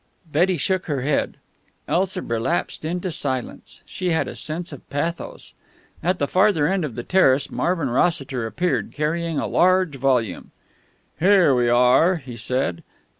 Betty shook her head. Elsa relapsed into silence. She had a sense of pathos. At the further end of the terrace Marvin Rossiter appeared, carrying a large volume. "Here we are," he said.